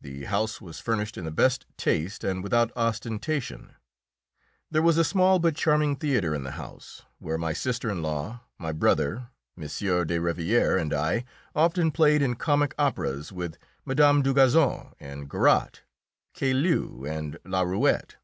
The house was furnished in the best taste, and without ostentation; there was a small but charming theatre in the house, where my sister in law, my brother, M. de Rivière and I often played in comic operas with Mme. Dugazon, and Garat, Cailleau, and Laruette.